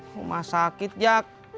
rumah sakit jak